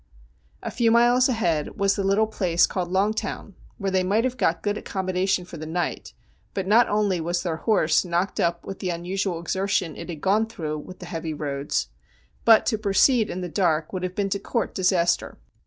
A few miles ahead was the little place called Longtown, where they might have got good accommodation for the night, but not only was their horse knocked up with the unusual exertion it had gone through with the heavy roads, but to proceed in the dark 176 STORIES WEIRD AND WONDERFUL would have been to court disaster.